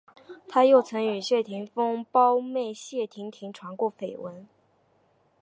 他又曾与谢霆锋胞妹谢婷婷传过绯闻。